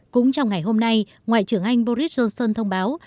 cũng trong ngày hôm nay ngoại trưởng anh boris johnson thông báo